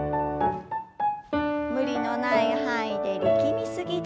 無理のない範囲で力み過ぎず。